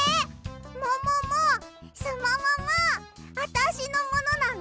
もももすもももあたしのものなの？